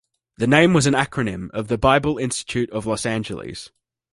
The name was an acronym of the "Bible Institute of Los Angeles".